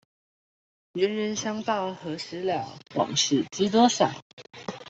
冤冤相報何時了，往事知多少